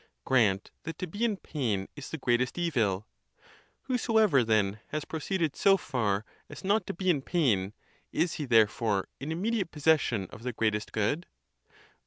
Grant that to be in pain is the great est evil: whosoever, then, has proceeded so far as not to be in pain, is he, therefore, in immediate possession of the greatest good?